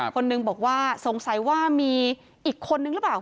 คนนึงบอกว่าสงสัยว่ามีอีกคนนึงหรือเปล่า